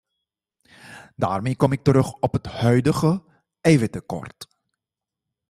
Daarmee kom ik terug op het huidige eiwittekort.